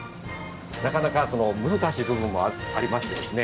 なかなか難しい部分もありましてですね。